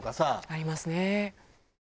ありますね。